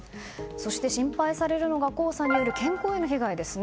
そして、心配されるのが黄砂による健康への被害ですね。